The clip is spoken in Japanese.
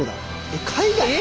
えっ海外？